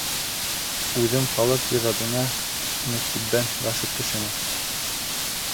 Үҙем халыҡ ижадына мөкиббән ғашиҡ кешемен.